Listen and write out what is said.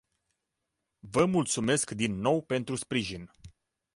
Vă mulțumesc din nou pentru sprijin.